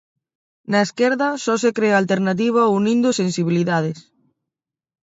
Na esquerda só se crea alternativa unindo sensibilidades.